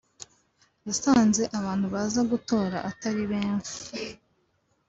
yasanze abantu baza gutora atari benshi